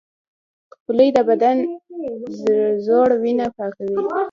پلی د بدن زوړ وینه پاکوي